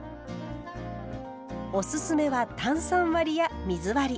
おすすめは炭酸割りや水割り。